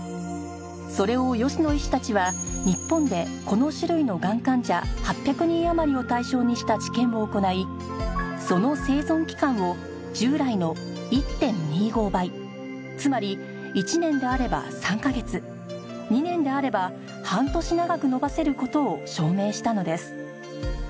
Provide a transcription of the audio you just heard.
それを吉野医師たちは日本でこの種類のがん患者８００人余りを対象にした治験を行いその生存期間を従来の １．２５ 倍つまり１年であれば３カ月２年であれば半年長く延ばせる事を証明したのです